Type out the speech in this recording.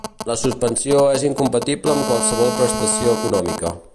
La suspensió és incompatible amb qualsevol prestació econòmica.